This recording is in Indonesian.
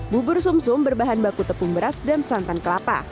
bubur sum sum berbahan baku tepung beras dan santan kelapa